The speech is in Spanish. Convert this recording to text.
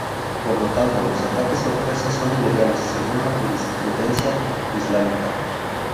Por lo tanto, los ataques sorpresa son ilegales según la jurisprudencia islámica.